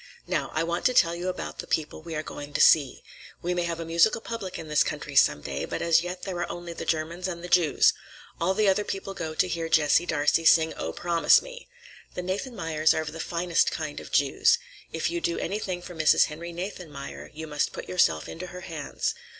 "Now, I want to tell you about the people we are going to see. We may have a musical public in this country some day, but as yet there are only the Germans and the Jews. All the other people go to hear Jessie Darcey sing, 'O, Promise Me!' The Nathanmeyers are the finest kind of Jews. If you do anything for Mrs. Henry Nathanmeyer, you must put yourself into her hands.